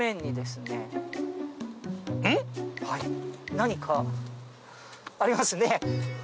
何かありますね。